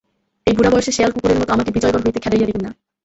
এই বুড়া বয়সে শেয়াল-কুকুরের মতো আমাকে বিজয়গড় হইতে খেদাইয়া দিবেন না।